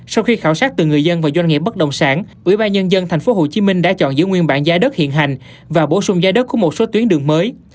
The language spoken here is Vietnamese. sau khi khảo sát từ người dân và doanh nghiệp bất động sản ủy ban nhân dân tp hcm đã chọn giữ nguyên bản giá đất hiện hành và bổ sung giá đất của một số tuyến đường mới